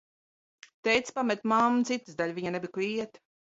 Tētis pameta mammu citas dēļ, viņai nebija, kur iet.